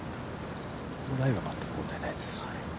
ライは全く問題ないです。